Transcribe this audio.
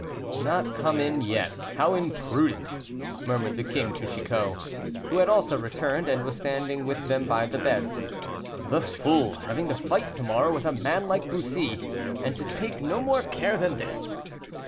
"Not come in yet; how imprudent," murmured the king to Chicot, who had also returned, and was standing with them by their beds. "The fool; having to fight to morrow with a man like Bussy, and to take no more care than this.